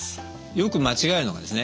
よく間違えるのがですね